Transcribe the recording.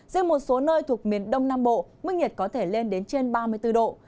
riêng một số nơi thuộc miền đông nam bộ mức nhiệt có thể lên đến trên ba mươi bốn độ